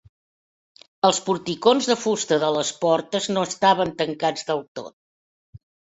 Els porticons de fusta de les portes no estaven tancats del tot.